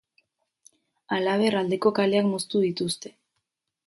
Halaber, aldeko kaleak moztu dituzte.